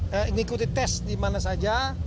mengikuti tes di mana saja